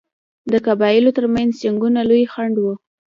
د قبایلو ترمنځ جنګونه لوی خنډ وو.